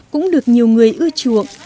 cũng được nhiều người ưa chuộng